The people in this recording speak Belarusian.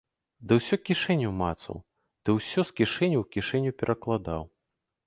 Ды ўсё кішэню мацаў, ды ўсё з кішэні ў кішэню перакладаў.